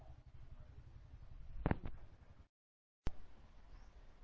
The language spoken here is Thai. สวัสดีครับ